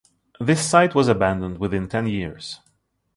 This site was abandoned within ten years.